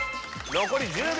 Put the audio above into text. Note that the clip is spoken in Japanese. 残り１０秒！